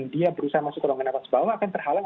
dia berusaha masuk ke ruangan awal sebab akan terhalang